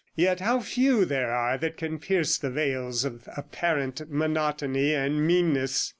Yet how few there are that can pierce the veils of apparent monotony and meanness